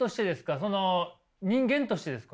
その人間としてですか？